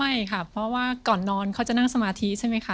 ไม่ค่ะเพราะว่าก่อนนอนเขาจะนั่งสมาธิใช่ไหมคะ